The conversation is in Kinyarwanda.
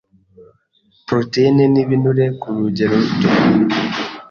proteyine n’ibinure ku rugero ruto